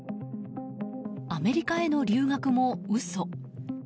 アメリカへの留学も嘘。